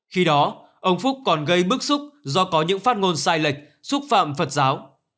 khi đó ông phúc còn gây bức xúc do có những phát ngôn sai lệch xúc phạm phật giáo